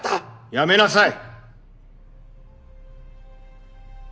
やめなさい！！